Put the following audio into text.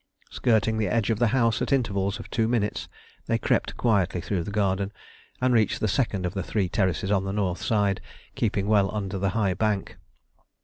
Skirting the edge of the house at intervals of two minutes they crept quietly through the garden and reached the second of the three terraces on the north side, keeping well under the high bank.